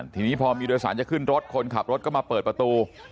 ทีนี้พอมีโดยสารจะขึ้นรถคนขับรถก็มาเปิดประตู